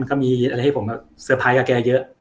มันก็มีไงให้ผมเซอร์ไพร์ท์ไปกับแกเยอะ